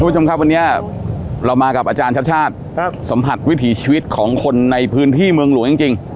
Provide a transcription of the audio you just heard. คุณผู้ชมครับวันนี้เรามากับอาจารย์ชาติชาติสัมผัสวิถีชีวิตของคนในพื้นที่เมืองหลวงจริง